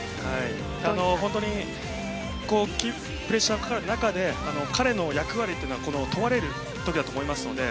本当に、プレッシャーがかかる中彼の役割が問われる時だと思います。